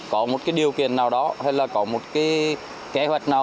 có một cái điều kiện nào đó hay là có một cái kế hoạch nào